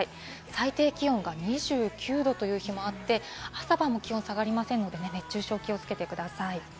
最低気温２９度という日もあって、朝晩も気温下がりませんので、熱中症に気をつけてください。